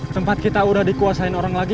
tempat kita udah dikuasain orang lagi